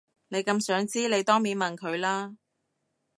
你咁想知你當面問佢啦